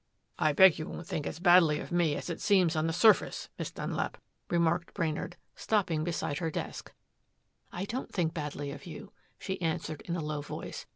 "I beg you won't think as badly of me as it seems on the surface, Miss Dunlap," remarked Brainard, stopping beside her desk. "I don't think badly of you," she answered in a low voice.